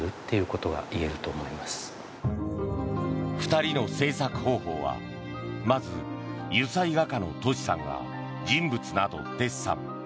２人の制作方法はまず、油彩画家の俊さんが人物などをデッサン。